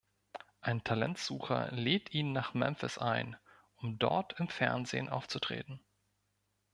Ein Talentsucher lädt ihn nach Memphis ein, um dort im Fernsehen aufzutreten.